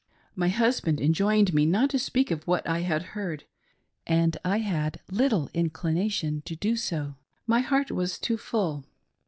My husband enjoined me not to speak of what I had heard, and I felt very little inclination to do so — my heart was too full.